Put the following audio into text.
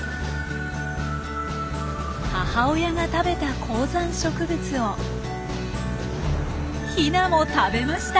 母親が食べた高山植物をヒナも食べました！